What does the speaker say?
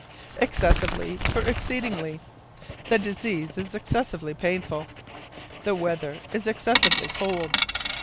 Excessively for Exceedingly. "The disease is excessively painful." "The weather is excessively cold."